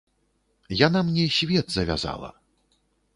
Яна мне свет завязала.